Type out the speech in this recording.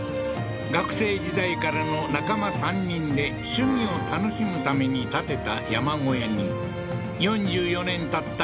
学生時代からの仲間３人で趣味を楽しむために建てた山小屋に４４年たった